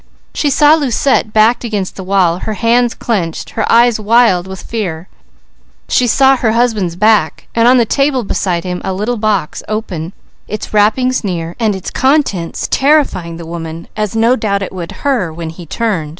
She saw Lucette backed against the wall, her hands clenched, her eyes wild with fear. She saw her husband's back, and on the table beside him a little box, open, its wrappings near, its contents terrifying to the woman.